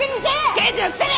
刑事のくせに！